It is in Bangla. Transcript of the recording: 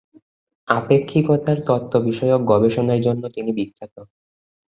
আপেক্ষিকতার তত্ত্ব বিষয়ক গবেষণার জন্য তিনি বিখ্যাত।